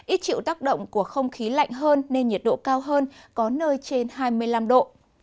ít chịu tác động của không khí lạnh hơn nên nhiệt độ cao hơn có nơi trên hai mươi năm độ